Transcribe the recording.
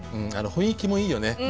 雰囲気もいいよね。